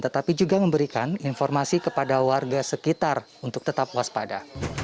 tetapi juga memberikan informasi kepada warga sekitar untuk tetap waspada